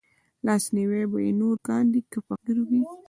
لاسنيوی به يې نور کاندي که فقير وي